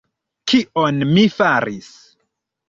Kion mi faris?